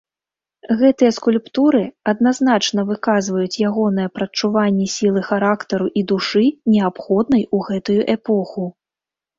Гэтыя скульптуры адназначна выказваюць ягонае прадчуванне сілы характару і душы, неабходнай у гэтую эпоху.